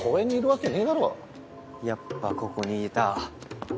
やっぱここにいた。